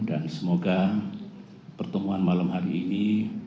dan semoga pertemuan malam hari ini